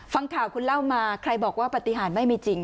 ฟังข่าวคุณเล่ามาใครบอกว่าปฏิหารไม่มีจริง